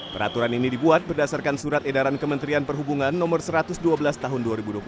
peraturan ini dibuat berdasarkan surat edaran kementerian perhubungan no satu ratus dua belas tahun dua ribu dua puluh satu